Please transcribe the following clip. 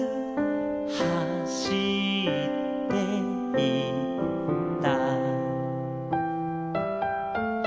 「はしっていった」